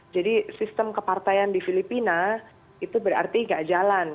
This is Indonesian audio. jadi sistem kepartaian di filipina itu berarti nggak jalan